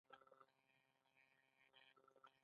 زه هره ورځ خپل غاښونه جوړوم